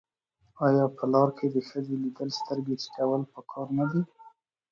آیا په لار کې د ښځې لیدل سترګې ټیټول پکار نه دي؟